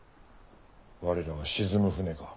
我らは沈む船か。